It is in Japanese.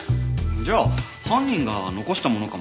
じゃあ犯人が残したものかもしれないね。